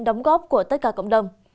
đóng góp của tất cả cộng đồng